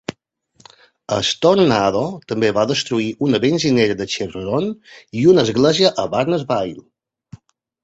El tornado també va destruir una benzinera de Chevron i una església a Barnesville.